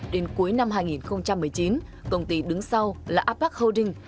đến cuối năm hai nghìn một mươi chín công ty đứng sau là apex holdings